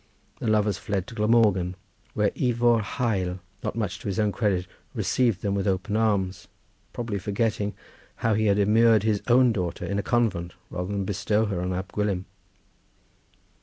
The lovers fled to Glamorgan, where Ifor Hael, not much to his own credit, received them with open arms, probably forgetting how he had immured his own daughter in a convent rather than bestow her on Ab Gwilym.